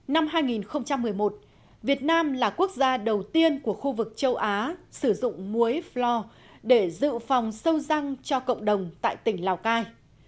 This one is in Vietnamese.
năm hai nghìn một mươi một việt nam là quốc gia đầu tiên của khu vực châu á sử dụng muối floor để dự phòng sâu răng cho cộng đồng tại tỉnh lào cai